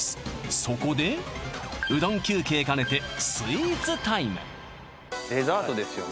そこでうどん休憩兼ねてスイーツタイムデザートですよね